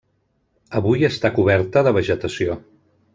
Avui està coberta de vegetació.